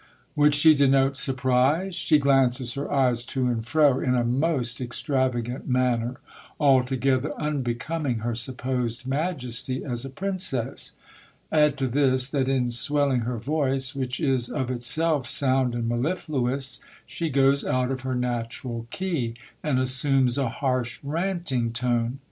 Would she denote surprise ? she glances her eyes to and fro in a most extravagant manner, altogether unbecoming her supposed majesty as a princess. Add to this, that in swelling her voice, which is of itself sound and mellifluous, she goes out of her natural key, and assumes a harsh ranting tone.